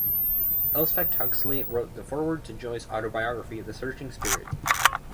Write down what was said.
Elspeth Huxley wrote the foreword to Joy's autobiography "The Searching Spirit".